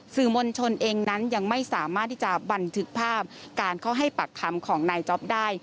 มวลชนเองนั้นยังไม่สามารถที่จะบันทึกภาพการเข้าให้ปากคำของนายจ๊อปได้